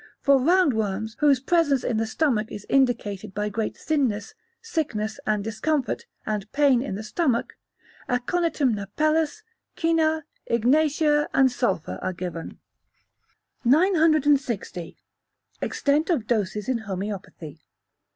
For round worms, whose presence in the stomach is indicated by great thinness, sickness and discomfort, and pain in the stomach, Aconitum napellus, Cina, Ignatia and Sulphur are given. 960. Extent of Doses in Homoeopathy.